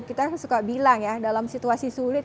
kita suka bilang ya dalam situasi sulit